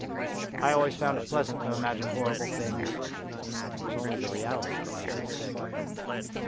I always found it pleasant to imagine horrible things; it was only the reality that made me sick.